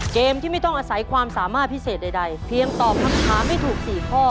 เกมที่ไม่ต้องอาศัยความสามารถพิเศษใดเพียงตอบคำถามให้ถูก๔ข้อ